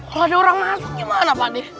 kalo ada orang masuknya mana pakde